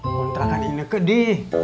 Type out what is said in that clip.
kontrakan ini ke di